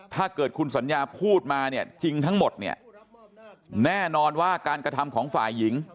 ถ้าเกิดคุณสัญญาพูดมาเนี่ยจริงทั้งหมดเนี่ยแน่นอนว่าการกระทำของฝ่ายหญิง